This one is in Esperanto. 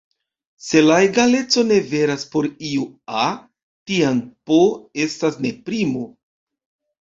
Se la egaleco ne veras por iu "a", tiam "p" estas ne primo.